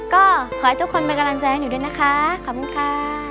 ก็ขอให้ทุกคนเป็นกำลังใจให้หนูด้วยนะคะขอบคุณค่ะ